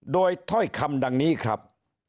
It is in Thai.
โดยถ้อยคำดังนี้ครับ